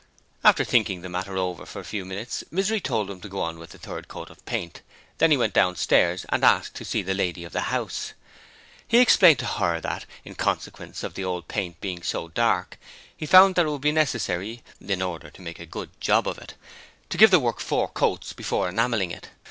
After thinking the matter over for a few minutes, Misery told them to go on with the third coat of paint. Then he went downstairs and asked to see the lady of the house. He explained to her that, in consequence of the old paint being so dark, he found that it would be necessary, in order to make a good job of it, to give the work four coats before enamelling it.